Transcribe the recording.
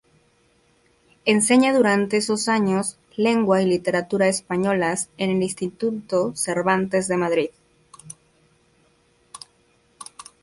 Enseña durante esos años Lengua y Literatura Españolas en el instituto Cervantes de Madrid.